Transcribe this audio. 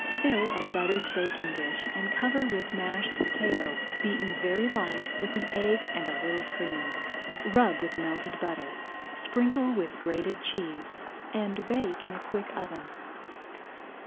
Fill a buttered baking dish and cover [Page 111] with mashed potato, beaten very light with an egg and a little cream. Rub with melted butter, sprinkle with grated cheese, and bake in a quick oven.